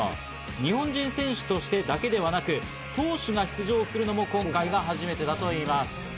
日本人選手としてだけではなく投手が出場するのも今回が初めてだといいます。